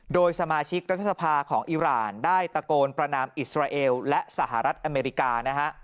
โดยสมาชิกรัฐสภาของอิราณได้ตะโกนประนามอิสราเอลและสหรัฐอเมริกานะฮะ